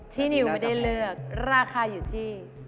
นิวไม่ได้เลือกราคาอยู่ที่